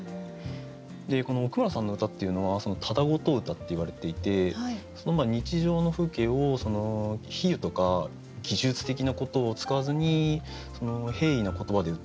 でこの奥村さんの歌っていうのは「ただごと歌」っていわれていて日常の風景を比喩とか技術的なことを使わずに平易な言葉でうたう。